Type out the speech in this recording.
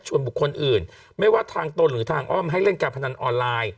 บุคคลอื่นไม่ว่าทางตนหรือทางอ้อมให้เล่นการพนันออนไลน์